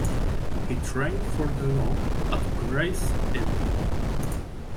He trained for the law at Gray's Inn.